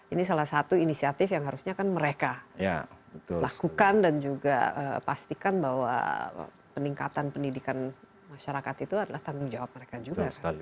ini salah satu inisiatif yang harusnya kan mereka lakukan dan juga pastikan bahwa peningkatan pendidikan masyarakat itu adalah tanggung jawab mereka juga